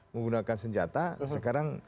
menggunakan senjata sekarang